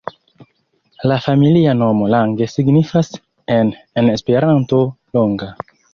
La familia nomo Lange signifas en en Esperanto ’’’longa’’’.